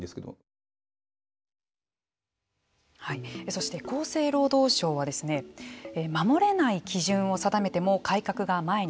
そして厚生労働省は守れない基準を定めても改革が前に進まない。